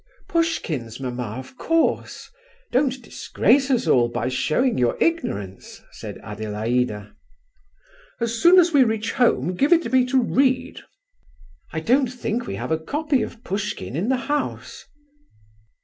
"Pushkin's, mama, of course! Don't disgrace us all by showing your ignorance," said Adelaida. "As soon as we reach home give it to me to read." "I don't think we have a copy of Pushkin in the house."